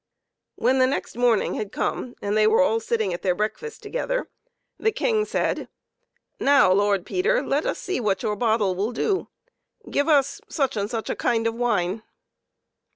When the next morning had come, and they were all sitting at their breakfast together, the King said, " Now, Lord Peter, let us see what your bottle will do ; give us such and such a kind of wine."